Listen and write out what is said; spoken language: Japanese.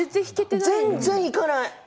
全然いかない。